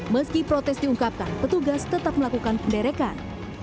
meski protes diungkapkan petugas tetap melakukan penderekan